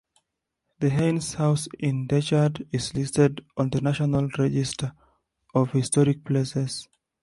The Haynes House in Decherd is listed on the National Register of Historic Places.